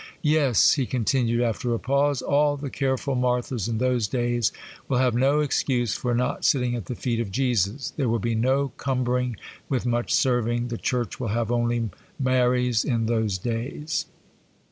'Yes,'—he continued, after a pause,—'all the careful Marthas in those days will have no excuse for not sitting at the feet of Jesus; there will be no cumbering with much serving; the church will have only Maries in those days.